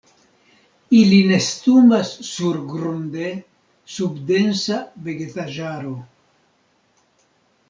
Ili nestumas surgrunde sub densa vegetaĵaro.